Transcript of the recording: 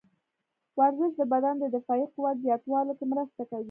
ورزش د بدن د دفاعي قوت زیاتولو کې مرسته کوي.